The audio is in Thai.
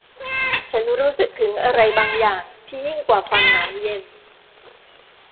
ฉันรู้สึกถึงอะไรบางอย่างที่ยิ่งกว่าความหนาวเย็น